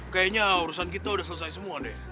kayaknya urusan kita udah selesai semua deh